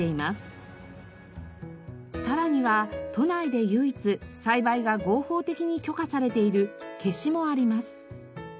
さらには都内で唯一栽培が合法的に許可されているケシもあります。